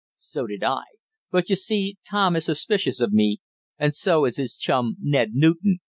"So did I. But you see Tom is suspicious of me, and so is his chum, Ned Newton.